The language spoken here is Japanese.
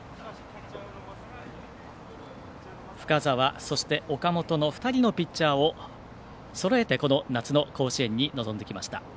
深沢、岡本２人のピッチャーをそろえてこの夏の甲子園に臨んできました。